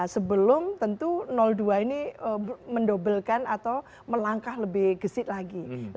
sebelum tentu dua ini mendobelkan atau melangkah lebih gesit lagi